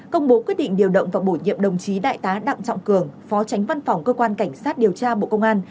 công bố quyết định điều động và bổ nhiệm đồng chí đại tá đặng trọng cường phó tránh văn phòng cơ quan cảnh sát điều tra bộ công an